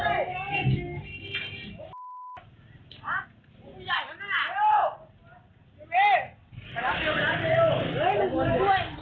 เฮ้ยมันกลัวด้วยมันกลัวด้วย